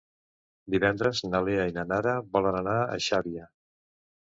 Divendres na Lea i na Nara volen anar a Xàbia.